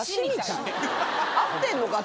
合ってんのかな。